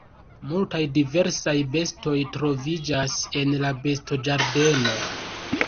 Multaj diversaj bestoj troviĝas en la bestoĝardeno.